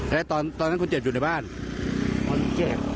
แล้วตอนตอนนั้นคนเจ็บอยู่ในบ้านตอนคนเจ็บ